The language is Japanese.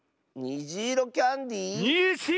「にじいろキャンディー」！